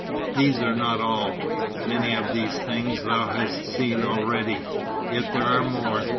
"These are not all. Many of these things thou hast seen already. Yet there are more."